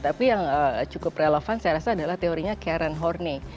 tapi yang cukup relevan saya rasa adalah teorinya karen horne